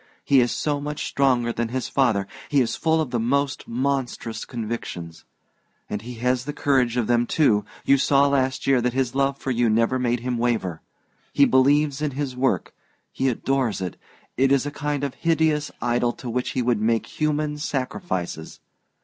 He is so much stronger than his father he is full of the most monstrous convictions. And he has the courage of them, too you saw last year that his love for you never made him waver. He believes in his work; he adores it it is a kind of hideous idol to which he would make human sacrifices!